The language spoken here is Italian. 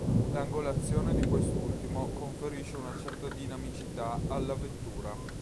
L'angolazione di quest'ultimo conferisce una certa dinamicità alla vettura.